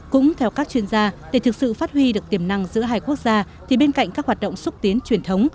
cũng theo các chuyên gia để thực sự phát huy được tiềm năng giữa hai quốc gia thì bên cạnh các hoạt động xúc tiến truyền thống